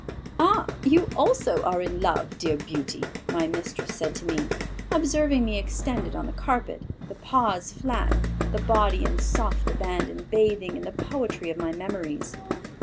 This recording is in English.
"Ah! you also are in love, dear Beauty," my mistress said to me, observing me extended on the carpet, the paws flat, the body in soft abandon, bathing in the poetry of my memories.